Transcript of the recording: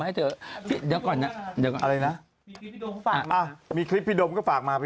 มาแจกการตั้งพรุ่นนี้เราละพัดครับ